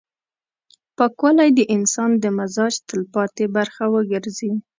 پاکوالی د انسان د مزاج تلپاتې برخه وګرځي.